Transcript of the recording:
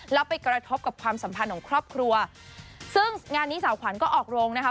แล้วไปกระทบกับความสัมพันธ์ของครอบครัวซึ่งงานนี้สาวขวัญก็ออกโรงนะคะ